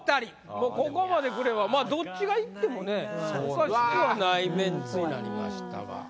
もうここまでくればまあどっちが行ってもねおかしくはないメンツになりましたが。